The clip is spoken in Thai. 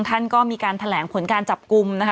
ท่านก็มีการแถลงผลการจับกลุ่มนะคะ